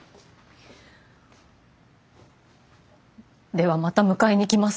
ではまた迎えに来ます。